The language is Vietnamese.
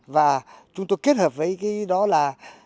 và chúng tôi kết hợp với cái đó là